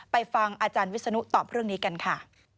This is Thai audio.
ฟังอาจารย์วิศนุตอบเรื่องนี้กันค่ะ